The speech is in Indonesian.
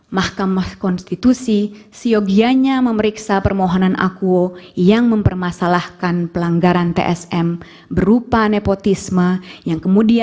mahkamah konstitusi berwenang untuk memeriksa pelanggaran tsm yang terjadi